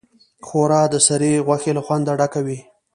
ښوروا د سرې غوښې له خوند نه ډکه وي.